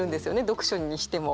読書にしても。